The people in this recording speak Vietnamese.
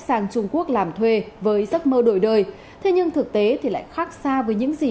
sang trung quốc làm thuê với giấc mơ đổi đời thế nhưng thực tế thì lại khác xa với những gì